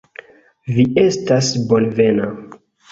Vi estas bonvena.